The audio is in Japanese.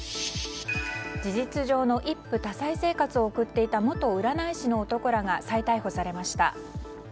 事実上の一夫多妻生活を送っていた元占い師の男らが再逮捕されました。